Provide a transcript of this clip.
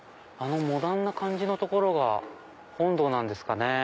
あのモダンな感じの所が本堂なんですかね。